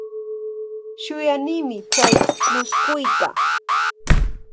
Shuyanimi chay muskuyta.